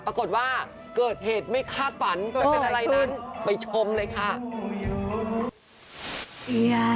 ปรากฏว่าเกิดเหตุไม่คาดฝันเกิดเป็นอะไรนั้นไปชมเลยค่ะ